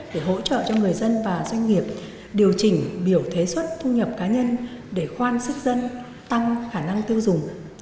để hỗ trợ cho người dân và doanh nghiệp điều chỉnh biểu thuế xuất thu nhập cá nhân để khoan sức dân tăng khả năng tiêu dùng